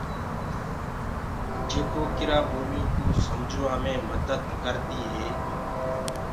جيڪآ ڪِرآ ٻوليو ڪوُ سمگھوآ مي مدد ڪآردي هي۔